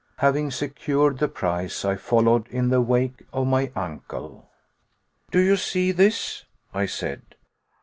Having secured the prize, I followed in the wake of my uncle. "Do you see this?" I said.